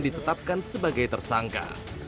ditetapkan sebagai tersangka